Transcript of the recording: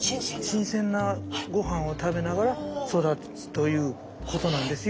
新鮮なごはんを食べながら育つということなんですよ。